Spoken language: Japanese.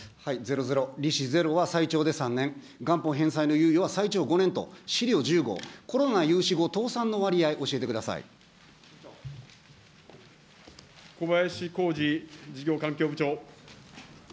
ゼロゼロ、利子ゼロは最長で３年、元本返済のは最長５年、コロナ融資後、倒産の割合教えてこばやしこうじ事業環境部長。